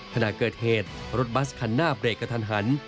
ขณะเกิดเหตุรถบัสคันหน้าเบรกกระทันหัน